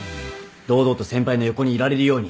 堂々と先輩の横にいられるように。